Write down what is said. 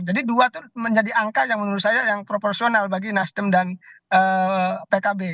jadi dua itu menjadi angka yang menurut saya yang proporsional bagi nasdem dan pkb